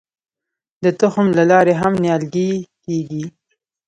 د تخم له لارې هم نیالګي کیږي.